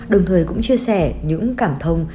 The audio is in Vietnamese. đồng thời cũng chia sẻ những cảm thông